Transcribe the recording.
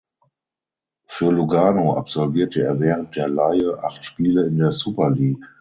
Für Lugano absolvierte er während der Leihe acht Spiele in der Super League.